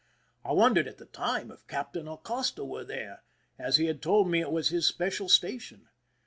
I wondered at the time if Captain Acosta were there, as he had told me it was his special station.